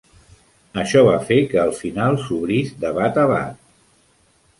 Això va fer que el final s'obrís de bat a bat.